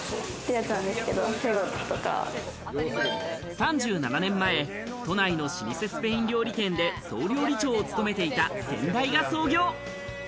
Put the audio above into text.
３７年前、都内の老舗スペイン料理店で総料理長を務めていた先代が創業。